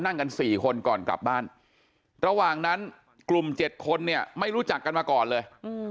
นั่งกัน๔คนก่อนกลับบ้านระหว่างนั้นกลุ่ม๗คนเนี่ยไม่รู้จักกันมาก่อนเลย